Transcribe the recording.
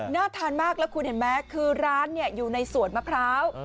ทานมากแล้วคุณเห็นไหมคือร้านอยู่ในสวนมะพร้าว